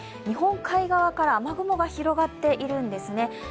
日本海側から雨雲が広がっているんですね。